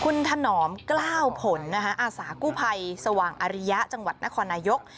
คุณถนอมกล้าวผลอาสากู้ภัยสว่างอริยะจังหวัดนครนายก